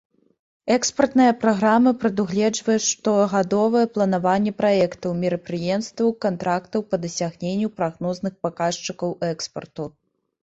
Экспартная праграма прадугледжвае штогадовае планаванне праектаў, мерапрыемстваў, кантрактаў па дасягненню прагнозных паказчыкаў экспарту.